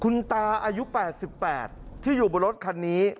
คุณตาอายุ๘๘ที่อยู่บนรถคันนี้